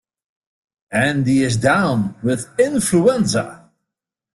Andy is down with influenza.